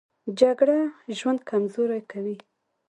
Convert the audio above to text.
جګړه ژوند کمزوری کوي